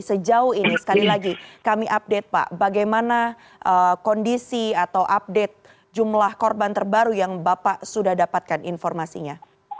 sejauh ini sekali lagi kami update pak bagaimana kondisi atau update jumlah korban terbaru yang bapak sudah dapatkan informasinya